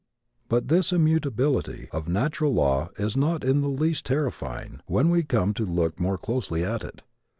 But this immutability of natural law is not in the least terrifying when we come to look more closely at it.